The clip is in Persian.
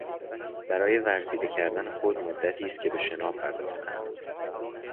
برای ورزیده کردن خود مدتی است که به شنا پرداختهام.